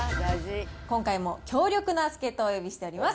今回も強力な助っ人をお呼びしております。